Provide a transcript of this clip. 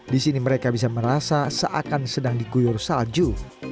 disini mereka bisa merasa seakan sedang diguyur salju